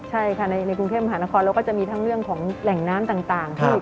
ใช่ค่ะในกรุงเทพมหานครเราก็จะมีทั้งเรื่องของแหล่งน้ำต่างที่